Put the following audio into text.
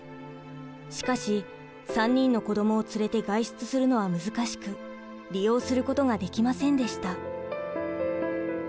しかし３人の子どもを連れて外出するのは難しく利用することができませんでした。